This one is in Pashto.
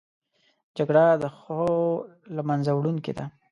جګړه د ښو له منځه وړونکې ده